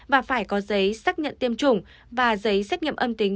và phải có giấy xét nghiệm tiêm chủng và giấy xét nghiệm âm tính